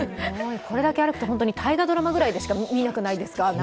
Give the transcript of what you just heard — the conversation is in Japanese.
これだけ歩くと大河ドラマぐらいでしか見ないじゃないですか。